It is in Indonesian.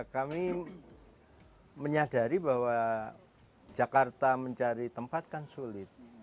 kami menyadari bahwa jakarta mencari tempat kan sulit